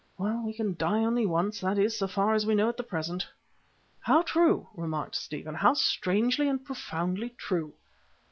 Well, we can only die once that is, so far as we know at present." "How true," remarked Stephen; "how strangely and profoundly true!"